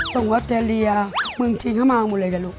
ตรงวอเตรเลียเมืองจีนเขามาก็หมดเลยครับลูก